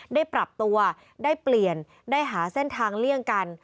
ได้ปรับตัวได้เปลี่ยนได้หาเส้นทางเลี่ยงกัน